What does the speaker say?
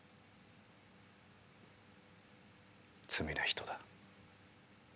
罪な人だ。